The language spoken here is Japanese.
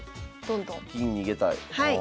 銀逃げたい。